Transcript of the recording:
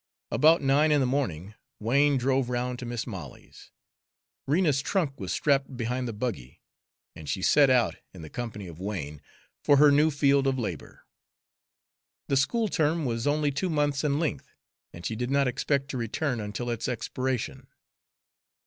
About nine in the morning, Wain drove round to Mis' Molly's. Rena's trunk was strapped behind the buggy, and she set out, in the company of Wain, for her new field of labor. The school term was only two months in length, and she did not expect to return until its expiration.